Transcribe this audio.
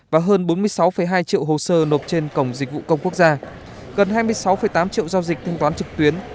và hơn bốn mươi sáu hai triệu hồ sơ nộp trên cổng dịch vụ công quốc gia gần hai mươi sáu tám triệu giao dịch thanh toán trực tuyến